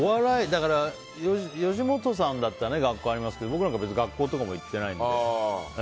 吉本さんだったら学校ありますけど僕なんか別に学校も行ってないので。